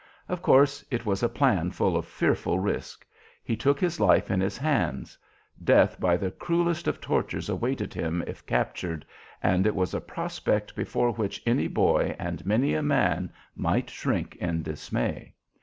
Of course it was a plan full of fearful risk. He took his life in his hands. Death by the cruelest of tortures awaited him if captured, and it was a prospect before which any boy and many a man might shrink in dismay.